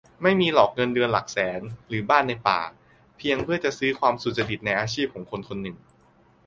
"ไม่มีหรอกเงินเดือนหลักแสน หรือบ้านในป่า เพียงเพื่อจะซื้อความสุจริตในอาชีพของคนคนหนึ่ง"